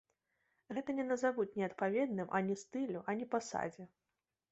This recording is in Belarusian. Гэта не назавуць неадпаведным ані стылю, ані пасадзе.